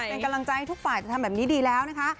เป็นกำลังใจให้ทุกฝ่ายจะทำแบบนี้ดีแล้วนะคะ